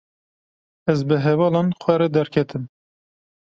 Ez bi hevalan xwe re derketim.